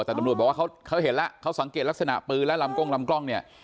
แต่ตำรวจบอกว่าเขาเห็นแล้วเขาสังเกตลักษณะปืนและลำกล้องลำกล้องเนี่ย